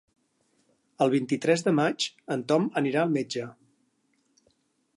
El vint-i-tres de maig en Tom anirà al metge.